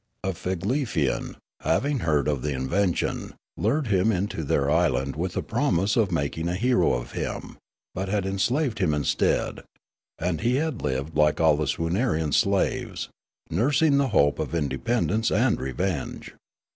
A Figlefian, having heard of the invention, lured him into their island with the promise of making a hero of him, but had enslaved him instead ; and he had lived like all the vSwoonarian slaves, nurs ing the hope of independence and revenge.